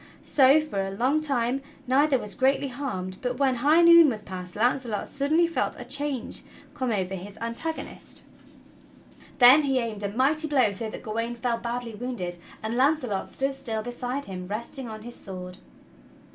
So, for a long time neither was greatly harmed, but when high noon was passed Launcelot suddenly felt a change come over his antagonist. THE PASSING OF ARTHUR 147 Then he aimed a mighty blow so that Gawain fell badly wounded, and Launcelot stood still beside him, resting on his sword.